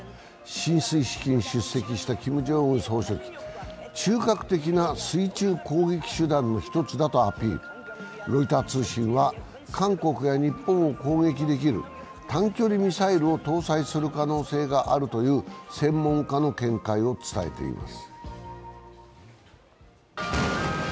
進水式に出席したキム・ジョンウン総書記、中核的な水中攻撃手段の一つだとアピール、ロイター通信は韓国や日本を攻撃できる短距離ミサイルを搭載する可能性があるという専門家の見解を伝えています。